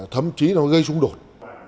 thậm chí nó gây xung đột